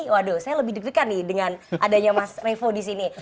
waduh saya lebih deg degan nih dengan adanya mas revo di sini